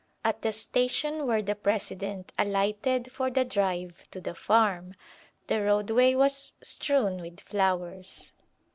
At the station where the President alighted for the drive to the farm, the roadway was strewn with flowers.